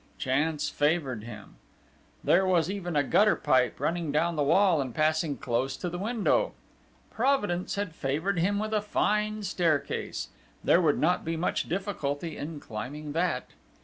Chance favoured him there was even a gutter pipe running down the wall and passing close to the window. Providence had favoured him with a fine staircase; there would not be much difficulty in climbing that!